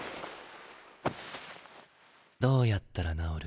どうやったら治る？